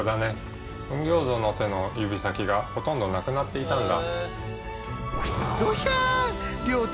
吽形像の手の指先がほとんどなくなっていたんだ。